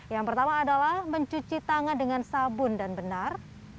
yang pertama adalah mencuci tangan dengan sabun dan benar